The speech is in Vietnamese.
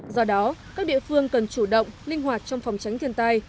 do đó các địa phương cần chủ động linh hoạt trong phòng tránh thiên tai